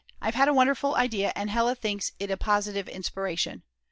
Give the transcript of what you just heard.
I've had a wonderful idea and Hella thinks it a positive inspiration.